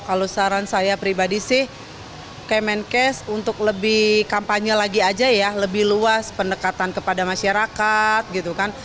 kalau saran saya pribadi sih kemenkes untuk lebih kampanye lagi aja ya lebih luas pendekatan kepada masyarakat gitu kan